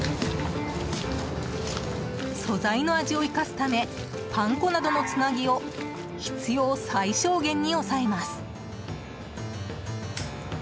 素材の味を生かすためパン粉などのつなぎを必要最小限に抑えます。